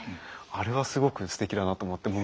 あれはすごくすてきだなと思って。